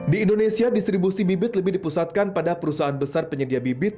di indonesia distribusi bibit lebih dipusatkan pada perusahaan besar penyedia bibit